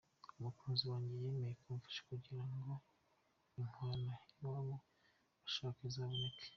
Umukunzi wanjye yemeye kumfasha kugira ngo inkwano iwabo bashaka izaboneke”.